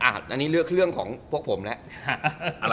อันนี้เลือกเรื่องของพวกผมแล้ว